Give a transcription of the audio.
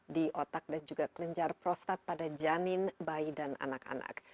di otak dan juga kelenjar prostat pada janin bayi dan anak anak